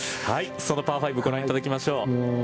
そのパー５をご覧いただきましょう。